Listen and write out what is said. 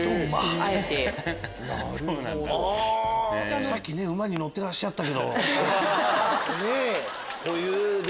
あさっき馬に乗ってらっしゃったけど。